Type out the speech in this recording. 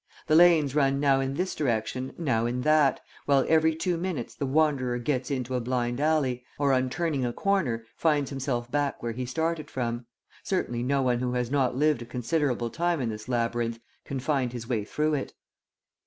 The lanes run now in this direction, now in that, while every two minutes the wanderer gets into a blind alley, or, on turning a corner, finds himself back where he started from; certainly no one who has not lived a considerable time in this labyrinth can find his way through it.